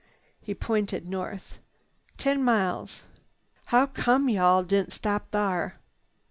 He pointed north. "Ten miles. How come you all didn't stop thar?"